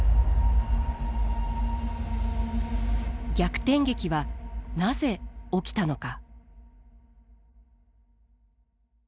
逆転劇はなぜ起きたのか。